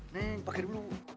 neng pake dulu